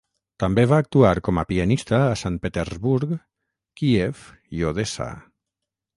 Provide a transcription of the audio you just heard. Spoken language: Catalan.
També va actuar com a pianista a Sant Petersburg, Kíev i Odessa.